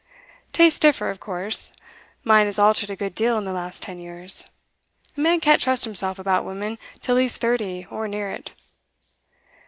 Tastes differ, of course. Mine has altered a good deal in the last ten years. A man can't trust himself about women till he's thirty or near it.